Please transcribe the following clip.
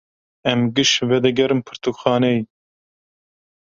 Em giş vedigerin pirtûkxaneyê.